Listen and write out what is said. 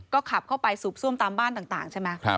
ก็ขับเข้าไปสูบซ่วมตามบ้านต่างใช่ไหม